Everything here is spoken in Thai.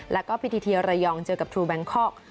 แล้วก็พิธีเทียระยองเจอกับทรูแบงคอก